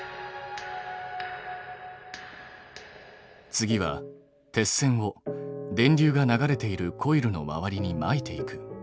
次は鉄線を電流が流れているコイルの周りにまいていく。